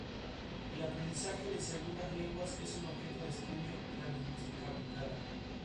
El aprendizaje de segundas lenguas es un objeto de estudio de la lingüística aplicada.